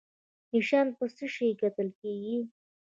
نشان په څه شي ګټل کیږي؟